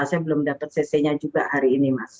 saya belum dapat cc nya juga hari ini mas